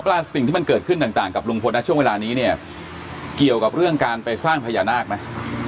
ว่าสิ่งที่มันเกิดขึ้นต่างกับลุงพลนะช่วงเวลานี้เนี่ยเกี่ยวกับเรื่องการไปสร้างพญานาคไหม